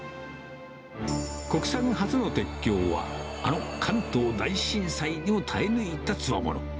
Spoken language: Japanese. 国産初の鉄橋は、あの関東大震災にも耐え抜いたつわもの。